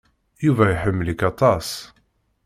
Yuba iḥemmel-ik aṭas.